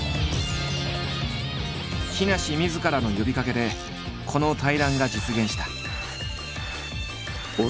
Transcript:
木梨みずからの呼びかけでこの対談が実現した。